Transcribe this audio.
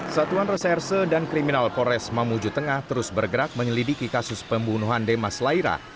satuan reserse dan kriminal pores mamuju tengah terus bergerak menyelidiki kasus pembunuhan demas laira